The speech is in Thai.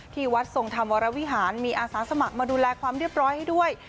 ที่วัดทรงธรรมวรวิหารมีอาสาสมัครมาดูแลความเรียบร้อยให้ด้วย